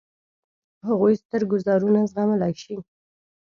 هغوی ستر ګوزارونه زغملای شي.